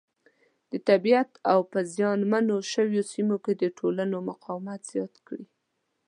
د طبیعیت او په زیان منو شویو سیمو کې د ټولنو مقاومت زیات کړي.